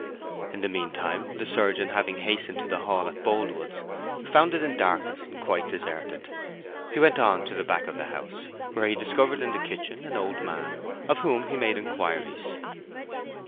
In the meantime the surgeon, having hastened into the hall at Boldwood's, found it in darkness and quite deserted. He went on to the back of the house, where he discovered in the kitchen an old man, of whom he made inquiries.